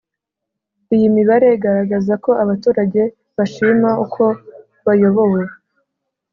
Iyi mibare iragaragaza ko abaturage bashima uko bayobowe.